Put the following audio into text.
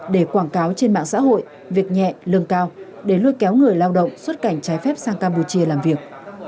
để quảng cáo trên mạng xã hội việc nhẹ lương cao để lôi kéo người lao động xuất cảnh trái phép sang campuchia làm việc